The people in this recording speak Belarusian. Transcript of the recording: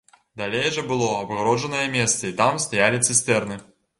Далей жа было абгароджанае месца і там стаялі цыстэрны.